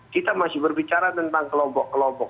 kita masih berbicara tentang kelompok kelompok